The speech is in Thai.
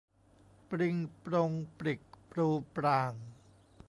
ปริงปรงปริกปรูปราง